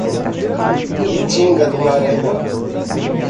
Itinga do Maranhão